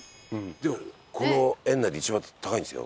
でもこの園内で一番高いんですよ。